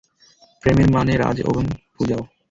প্রেমের মানে রাজ এবং পূজাও।